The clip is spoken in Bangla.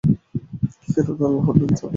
কেননা, আল্লাহর নবী যা বলেন তা অবশ্যই করেন।